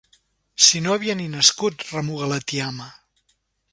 Si no havia ni nascut! –remuga la tiama.